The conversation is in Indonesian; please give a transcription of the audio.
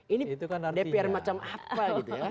ini dpr macam apa gitu ya